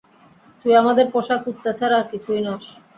তুই আমাদের পোষা কুত্তা ছাড়া আর কিছুই নস।